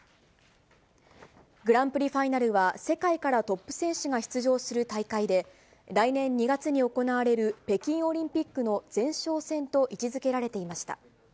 グランプリファイナルは世界からトップ選手が出場する大会で、来年２月に行われる北京オリンピックの前哨戦と位置づけられていました。